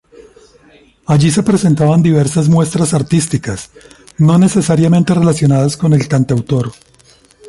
Allí se presentaban diversas muestras artísticas, no necesariamente relacionadas con el cantautor.